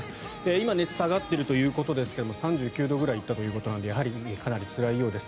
今、熱が下がっているということですけれども３９度ぐらい行ったということなのでやはりかなりつらいようです。